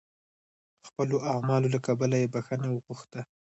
خپلو اعمالو له کبله یې بخښنه وغوښته.